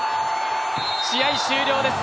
試合終了です。